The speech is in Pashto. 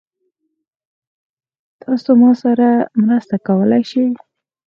تاسو ما سره مرسته کولی شئ؟